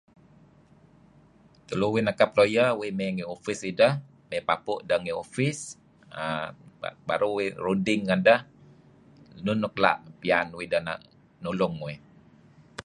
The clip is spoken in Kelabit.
Tulu uih mey nekap lawyer uih mey ngi ufis idah mey papu' idah ngi ufis err baru uih ruding ngedah enun nuk la' piyan uih idah nulung uih.